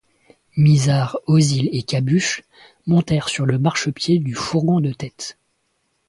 Misard, Ozil et Cabuche montèrent sur le marchepied du fourgon de tête.